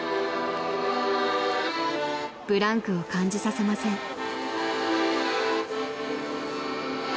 ［ブランクを感じさせません］